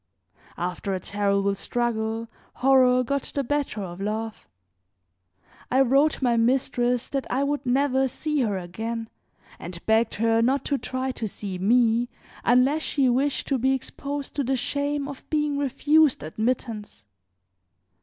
After a terrible struggle horror got the better of love. I wrote my mistress that I would never see her again and begged her not to try to see me unless she wished to be exposed to the shame of being refused admittance.